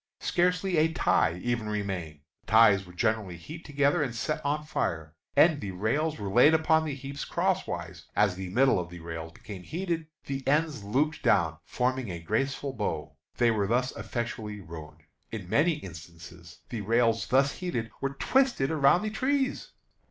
Scarcely a tie even remained. The ties were generally heaped together, and set on fire, and the rails were laid upon the heaps cross wise. As the middle of the rails became heated, the ends lopped down, forming a graceful bow. They were thus effectually ruined. In many instances the rails thus heated were twisted around the trees.